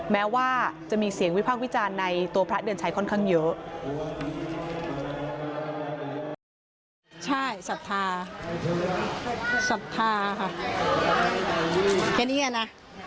แม้ว่าจะมีเสียงวิพากษ์วิจารณ์ในตัวพระเดือนชัยค่อนข้างเยอะ